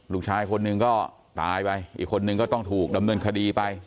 ลูกชายคนหนึ่งก็ตายไปอีกคนนึงก็ต้องถูกดำเนินคดีไป